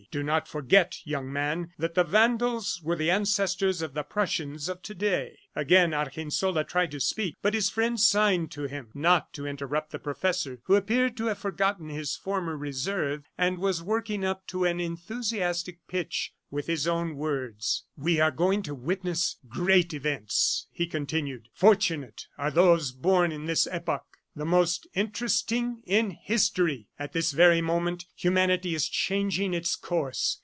Do not forget, young man, that the Vandals were the ancestors of the Prussians of to day." Again Argensola tried to speak, but his friend signed to him not to interrupt the professor who appeared to have forgotten his former reserve and was working up to an enthusiastic pitch with his own words. "We are going to witness great events," he continued. "Fortunate are those born in this epoch, the most interesting in history! At this very moment, humanity is changing its course.